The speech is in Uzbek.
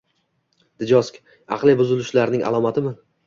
Djosg – aqliy buzilishlarning alomatimi?